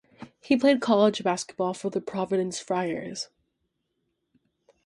He played college basketball for the Providence Friars.